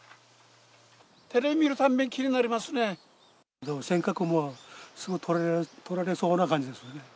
テレビ見るたんびに気になりでも尖閣もすぐとられそうな感じですよね。